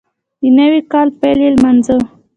د نوي کال پیل یې لمانځه